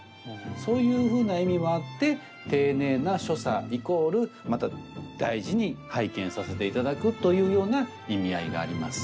そういうふうな意味もあって丁寧な所作イコールまた大事に拝見させていただくというような意味合いがあります。